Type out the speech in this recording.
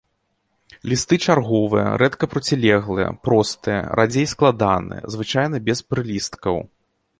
Лісты чарговыя, рэдка процілеглыя, простыя, радзей складаныя, звычайна без прылісткаў.